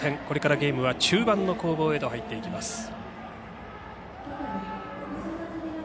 これからゲームは中盤の攻防へと入っていきます。